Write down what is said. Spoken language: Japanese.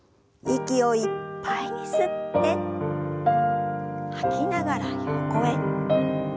息をいっぱいに吸って吐きながら横へ。